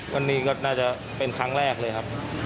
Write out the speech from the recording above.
วันนี้ก็น่าจะเป็นครั้งแรกเลยครับ